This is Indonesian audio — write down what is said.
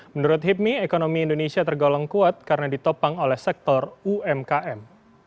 menurut hipmi ekonomi indonesia tergolong kuat karena ditopang oleh sektor umkm